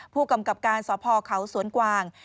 ผู้กำกับการสพเขาสวนกวาง